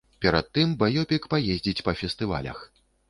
Перад тым баёпік паездзіць па фестывалях.